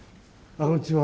こんにちは。